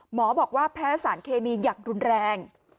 หมอบอกว่าแพ้สารเคมีอย่างรุนแรง